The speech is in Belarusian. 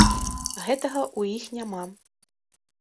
Гэтага ў іх няма.